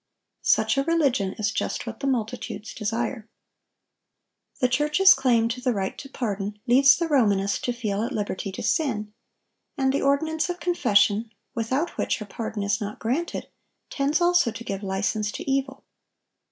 Such a religion is just what the multitudes desire. The church's claim to the right to pardon, leads the Romanist to feel at liberty to sin; and the ordinance of confession, without which her pardon is not granted, tends also to give license to evil.